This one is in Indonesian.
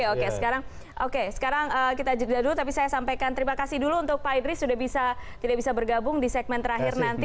oke sekarang oke sekarang kita jeda dulu tapi saya sampaikan terima kasih dulu untuk pak idris sudah tidak bisa bergabung di segmen terakhir nanti